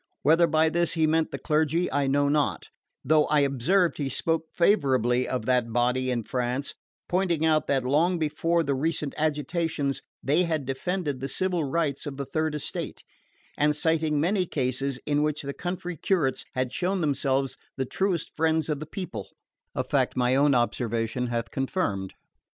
Whether by this he meant the clergy I know not; though I observed he spoke favourably of that body in France, pointing out that, long before the recent agitations, they had defended the civil rights of the Third Estate, and citing many cases in which the country curates had shown themselves the truest friends of the people: a fact my own observation hath confirmed.